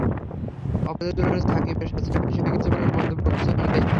অপরাধের তুলনায় সাকিবের শাস্তিটা বেশি হয়ে গেছে বলে মন্তব্য করেছেন অনেকেই।